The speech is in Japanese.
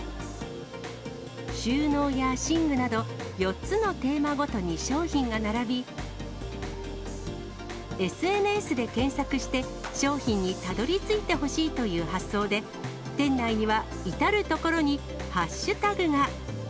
収納や寝具など、４つのテーマごとに商品が並び、ＳＮＳで検索して、商品にたどりついてほしいという発想で、店内には至る所にハッシュタグが。